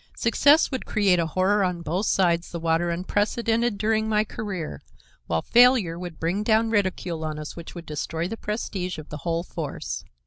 Success would create a horror on both sides the water unprecedented during my career, while failure would bring down ridicule on us which would destroy the prestige of the whole force.